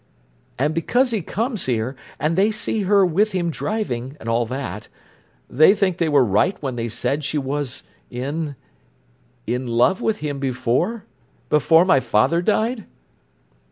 "And because he comes here—and they see her with him driving—and all that—they think they were right when they said she was in—in love with him before—before my father died?"